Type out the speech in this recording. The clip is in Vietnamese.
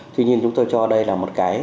tuy nhiên chúng tôi cho đây là một cái